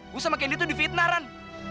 gue sama candy tuh di fitnah ran